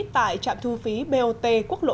tại trạm thu phí bot quốc lội